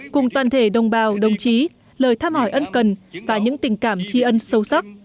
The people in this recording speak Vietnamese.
cùng toàn thể đồng bào đồng chí lời thăm hỏi ân cần và những tình cảm tri ân sâu sắc